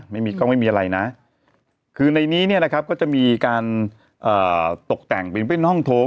ไม่มีกล้องไม่มีอะไรนะคือในนี้เนี่ยนะครับก็จะมีการตกแต่งเป็นห้องโถง